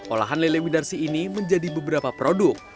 olahan lele widarsi ini menjadi beberapa produk